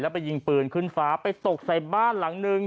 ไปยิงปืนขึ้นฟ้าไปตกใส่บ้านหลังนึง